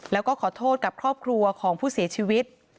แล้วก็ขอโทษกับครอบครัวของผู้เสียชีวิต